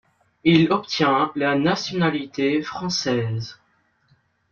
Il obtient la nationalité française.